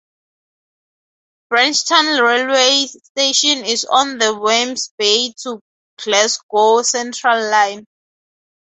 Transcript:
Branchton railway station is on the Wemyss Bay to Glasgow Central line.